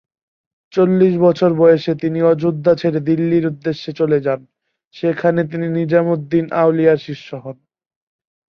চল্লিশ বছর বয়সে তিনি অযোধ্যা ছেড়ে দিল্লীর উদ্দেশ্যে চলে যান, যেখানে তিনি নিজামুদ্দিন আউলিয়ার শিষ্য হন।